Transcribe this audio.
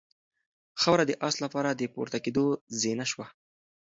خاوره د آس لپاره د پورته کېدو زینه شوه.